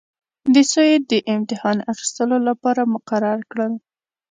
د سویې د امتحان اخیستلو لپاره مقرر کړل.